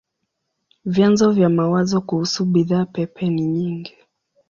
Vyanzo vya mawazo kuhusu bidhaa pepe ni nyingi.